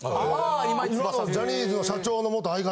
今のジャニーズの社長の元相方。